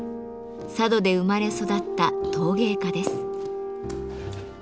佐渡で生まれ育った陶芸家です。